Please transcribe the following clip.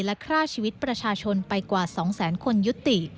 และฆ่าชีวิตประชาชนไปกว่า๒แสนคนยุติ